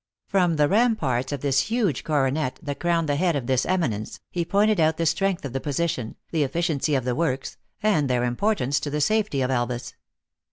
From the ramparts of this huge coronet that crowned the head of this eminence, he pointed out the strength of the position, the efficiency of the works, and their importance to the safety of Elvas.